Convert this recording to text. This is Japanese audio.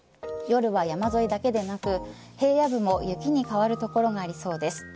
夜は山沿いだけでなく平野部も雪に変わる所がありそうです。